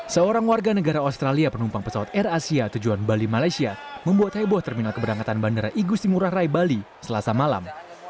seorang warga negara australia penumpang pesawat air asia tujuan bali malaysia membuat heboh terminal keberangkatan bandara igusti ngurah rai bali selasa malam